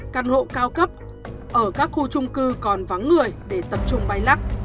căn hộ cao cấp ở các khu trung cư còn vắng người để tập trung bay lắc